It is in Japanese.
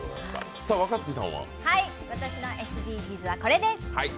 私のＳＤＧｓはこれです。